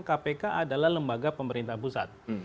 kpk adalah lembaga pemerintah pusat